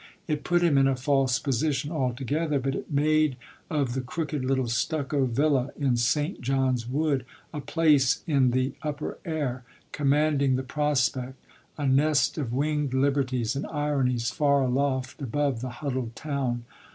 It put him in a false position altogether, but it made of the crooked little stucco villa in Saint John's Wood a place in the upper air, commanding the prospect; a nest of winged liberties and ironies far aloft above the huddled town.